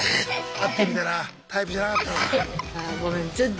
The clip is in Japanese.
「会ってみたらタイプじゃなかった」。